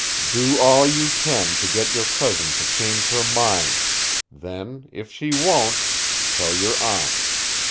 _Do all you can to get your cousin to change her mind; then, if she won't, tell your aunt.